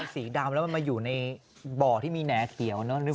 สีดำแล้วมันมาอยู่ในบ่อที่มีแหน่เขียวเนอะ